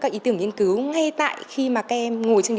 các ý tưởng nghiên cứu ngay tại khi mà các em